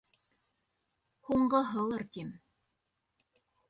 Һуңғыһылыр, тим.